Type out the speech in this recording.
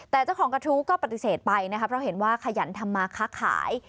แต่เจ้าของกระทู้ก็ปฏิเสธไปนะครับเพราะเห็นว่าขยันทำมาค้าขาย